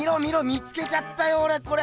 見つけちゃったよおれこれ！